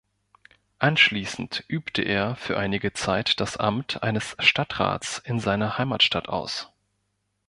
Anschließend übte er für einige Zeit das Amt eines Stadtrats in seiner Heimatstadt aus.